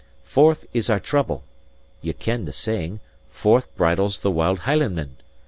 Forth is our trouble; ye ken the saying, 'Forth bridles the wild Hielandman.